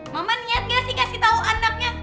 mama niat gak sih kasih tau anaknya